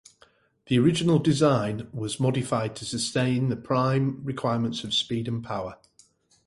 The original design was modified to sustain the prime requirements of speed and firepower.